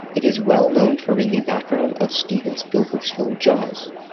It is well known for being the background of Steven Spielberg's film "Jaws".